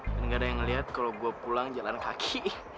dan gak ada yang ngeliat kalo gue pulang jalan kaki